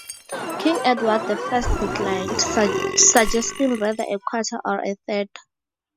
King Edward the First declined, suggesting rather a quarter or a third.